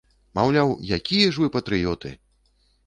Маўляў, якія ж вы патрыёты!